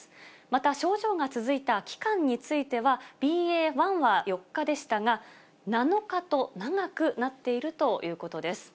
また、症状が続いた期間については、ＢＡ．１は４日でしたが、７日と長くなっているということです。